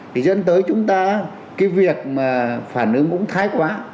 thì dẫn tới chúng ta cái việc mà phản ứng cũng thái quá